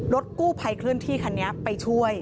รถกู้ภัยเคลื่อนที่คันนี้ไปช่วย